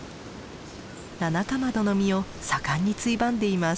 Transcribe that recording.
ナナカマドの実を盛んについばんでいます。